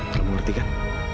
kamu ngerti kan